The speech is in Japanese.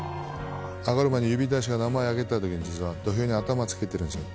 上がる前に呼出から名前あげた時に実は土俵に頭付けてるんですよ。